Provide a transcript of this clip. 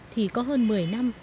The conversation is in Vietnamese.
thì có hơn một mươi năm